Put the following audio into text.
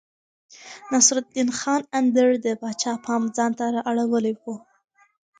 نصرالدين خان اندړ د پاچا پام ځانته رااړولی و.